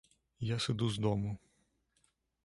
Я сыду з дому.